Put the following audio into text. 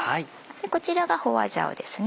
こちらが花椒ですね。